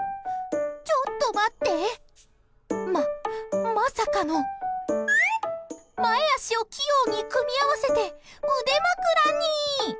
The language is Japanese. ちょっと待ってま、まさかの前足を器用に組み合わせて腕枕に。